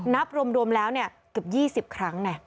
นับรวมแล้วเกือบ๒๐ครั้ง